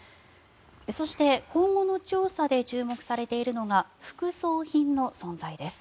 そして、今後の調査で注目されているのが副葬品の存在です。